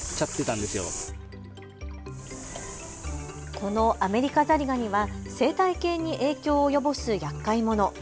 このアメリカザリガニは生態系に影響を及ぼすやっかい者。